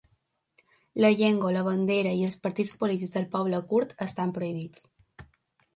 La llengua, la bandera i els partits polítics del poble kurd estan prohibits.